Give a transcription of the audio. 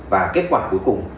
và kết quả cuối cùng